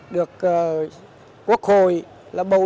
được quốc hội là bầu